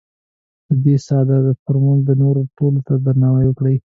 د دې ساده فورمول نورو ټولو ته درناوی وکړئ.